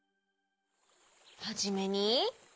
はじめに。